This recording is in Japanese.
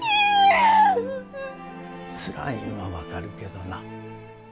つらいんは分かるけどな。